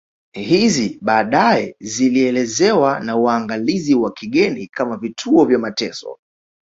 Hizi baadae zilielezewa na waangalizi wa kigeni kama vituo vya mateso